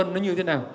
nó như thế nào